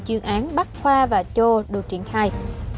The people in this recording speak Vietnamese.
chuyên án bắt khoa và chô được triển khai